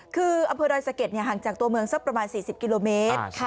คืออำเภอดอยสะเก็ดห่างจากตัวเมืองสักประมาณ๔๐กิโลเมตร